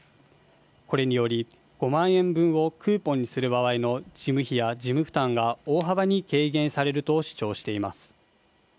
これにより５万円分をクーポンにする場合の事務費や事務負担が大幅に軽減されると主張しています